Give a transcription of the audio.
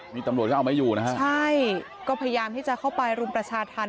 นี่ตำรวจก็เอาไม่อยู่นะฮะใช่ก็พยายามที่จะเข้าไปรุมประชาธรรม